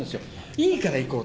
いいから行こう。